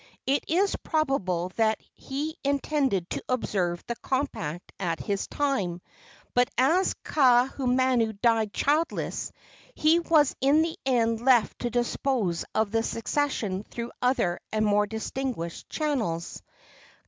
It is probable that he intended to observe the compact at that time, but as Kaahumanu died childless he was in the end left to dispose of the succession through other and more distinguished channels.